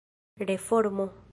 reformo